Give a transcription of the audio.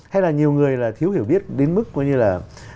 hay là nhiều người là thiếu hiểu biết đến mức coi như là